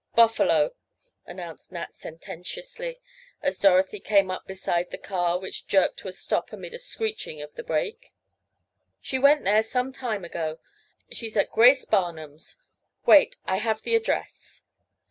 "Buffalo," announced Nat sententiously, as Dorothy came up beside the car which jerked to a stop amid a screeching of the brake. "She went there some time ago. She's at Grace Barnum's. Wait. I have the address."